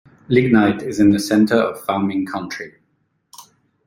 Lignite is in the center of farming country.